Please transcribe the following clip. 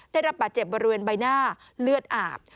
ได้รับบาดเจ็บบริเวณใบหน้าเลือดอาบ